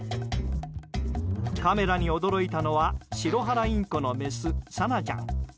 カメラに驚いたのはシロハラインコのメスサナちゃん。